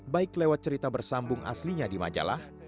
baik lewat cerita bersambung aslinya di majalah